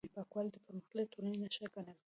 پاکوالی د پرمختللې ټولنې نښه ګڼل کېږي.